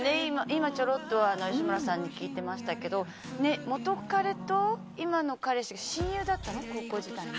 今、ちょろっと吉村さんに聞いてましたけど元カレと今の彼氏が親友だったのね、高校時代に。